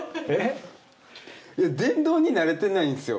電動に慣れてないんですよ